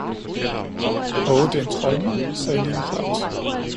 "Oh, det er en troldmand!" sagde lille Claus.